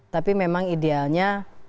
tapi memang idealnya